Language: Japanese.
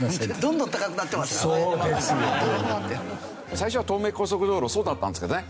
最初は東名高速道路そうだったんですけどね。